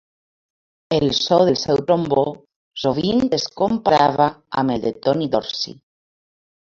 El so del seu trombó sovint es comparava amb el de Tommy Dorsey.